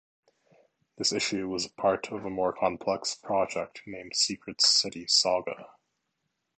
This issue was a part of a more complex project named Secret City Saga.